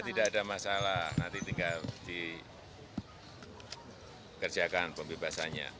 tidak ada masalah nanti tinggal dikerjakan pembebasannya